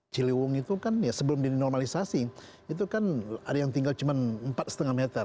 ciliwung itu kan ya sebelum dinomalisasi itu kan ada yang tinggal cuma empat lima meter